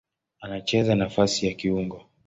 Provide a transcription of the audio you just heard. Anacheza nafasi ya kiungo.